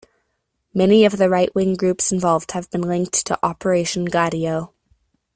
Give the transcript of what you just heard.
Many of the right-wing groups involved have been linked to Operation Gladio.